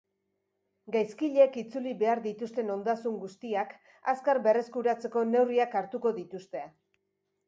Gaizkileek itzuli behar dituzten ondasun guztiak azkar berreskuratzeko neurriak hartuko dituzte.